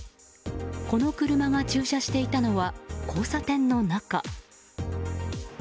この車が駐車していたのは交差点の中。